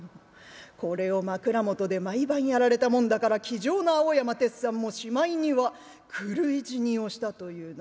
これを枕元で毎晩やられたもんだから気丈な青山鉄山もしまいには狂い死にをしたというな」。